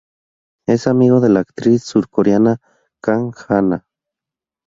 Es amigo de la actriz surcoreana Kang Han-na.